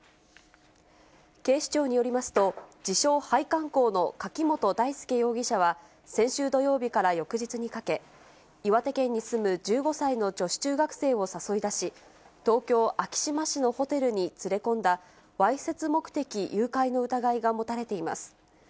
警視庁によりますと、自称配管工の垣本大輔容疑者は先週土曜日から翌日にかけ、岩手県に住む１５歳の女子中学生を誘い出し、東京・昭島市のホテルに連れ込んだ、わいせつ目的誘拐の疑いが持たれています。